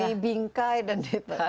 bisa dibingkai dan ditaruh